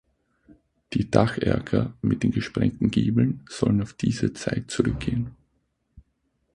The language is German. Die Dacherker mit den gesprengten Giebeln sollen auf diese Zeit zurückgehen.